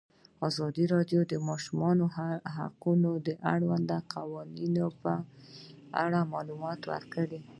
ازادي راډیو د د ماشومانو حقونه د اړونده قوانینو په اړه معلومات ورکړي.